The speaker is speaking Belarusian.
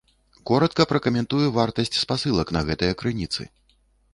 Коратка пракаментую вартасць спасылак на гэтыя крыніцы.